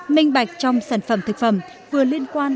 minh bạch trong sản phẩm thực phẩm vừa liên quan